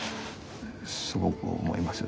すごく思いますよ